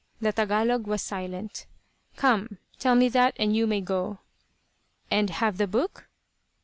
The Tagalog was silent. "Come. Tell me that, and you may go." "And have the book?"